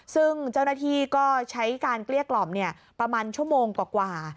ซึ่งเจ้าหน้าที่ก็ใช้การเกลี้ยกล่อมประมาณชั่วโมงกว่า